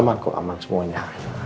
aman kok aman semuanya